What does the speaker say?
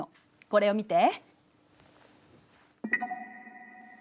これを見て。